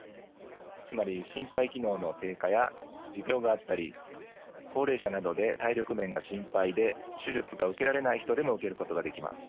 つまり心肺機能の低下や持病があったり高齢者などで体力面が心配で手術が受けられない人でも受けることができます。